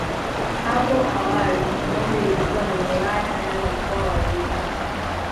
Hapo awali Njombe ilikuwa ni wilaya ndani ya mkoa wa Iringa